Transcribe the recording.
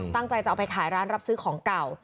ตั้งใจจะเอาไปขายร้านรับซื้อของเก่า